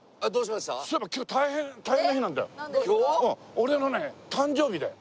俺のね誕生日だよ。